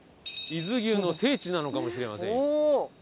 伊豆牛の聖地なのかもしれませんよ。